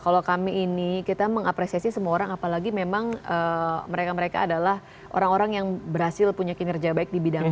kalau kami ini kita mengapresiasi semua orang apalagi memang mereka mereka adalah orang orang yang berhasil punya kinerja baik di bidang ini